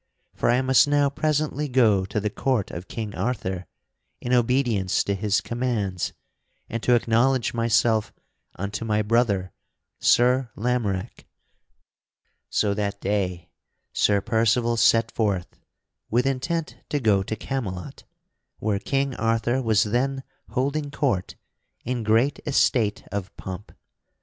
For I must now presently go to the court of King Arthur in obedience to his commands and to acknowledge myself unto my brother, Sir Lamorack." [Sidenote: Sir Percival departs for court] So that day Sir Percival set forth with intent to go to Camelot, where King Arthur was then holding court in great estate of pomp.